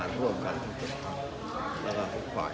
สวัสดีครับ